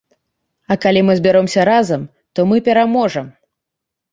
А калі мы збяромся разам, то мы пераможам.